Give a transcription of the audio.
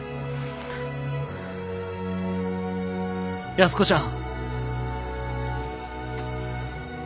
安子ちゃん。